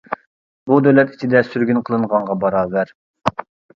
بۇ دۆلەت ئىچىدە سۈرگۈن قىلغانغا باراۋەر.